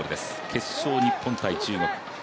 決勝、日本×中国。